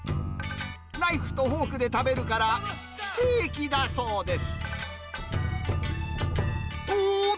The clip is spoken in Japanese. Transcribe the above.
ナイフとフォークで食べるから、ステーキだそうです。